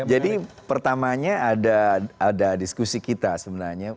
jadi pertamanya ada diskusi kita sebenarnya